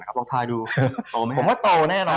ผมว่าโตแน่นอนอ่ะ